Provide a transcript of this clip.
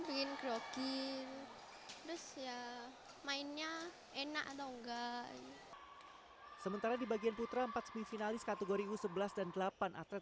bikin grogi ya mainnya enak atau enggak sementara di bagian putra empat puluh sembilan finalis kategori u sebelas dan delapan atlet